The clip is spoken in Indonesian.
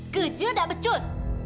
kerja tak becus